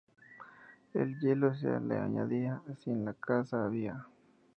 El hielo se le añadía si en la casa había.